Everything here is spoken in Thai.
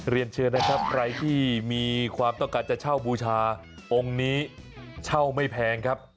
เรียนเชิญนะครับใครที่มีความต้องการจะเช่าบูชาองค์นี้เช่าไม่แพงครับ